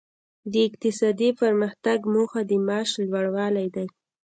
د اقتصادي پرمختګ موخه د معاش لوړوالی دی.